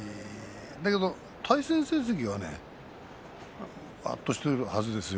だけど対戦成績は圧倒しているはずですよ。